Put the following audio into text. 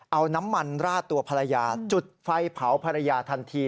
เอาน้ำมันราดตัวภรรยาจุดไฟเผาภรรยาทันที